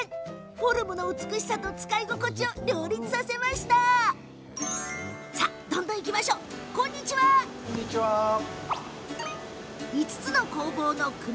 フォルムの美しさと使い心地を両立させたんです。